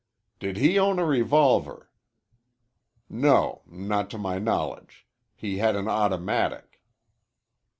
"Did he own a revolver?" "No, not to my knowledge. He had an automatic."